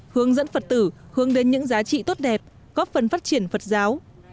hướng dẫn phật tử hướng đến những giá trị tốt đẹp góp phần phát triển phật giáo